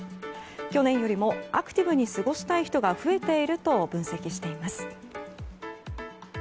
去年よりもアクティブに過ごしたい人が増えていると分析しています。